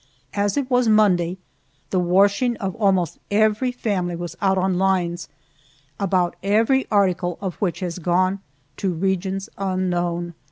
As it was Monday, the washing of almost every family was out on lines, about every article of which has gone to regions unknown.